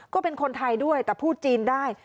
ก็เป็นคนไทยด้วยแต่พูดจีนได้